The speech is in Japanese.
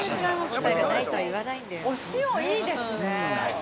◆お塩いいですね。